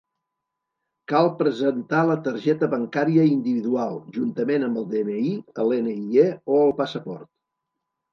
Cal presentar la targeta bancària individual, juntament amb el DNI, el NIE o el passaport.